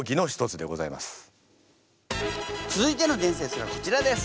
続いての伝説はこちらです。